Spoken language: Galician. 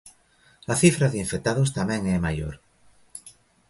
A cifra de infectados tamén é maior.